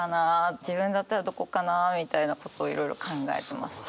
自分だったらどこかなみたいなことをいろいろ考えて。